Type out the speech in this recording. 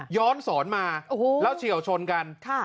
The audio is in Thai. ย้อนสอนมาแล้วเฉียวชนกัน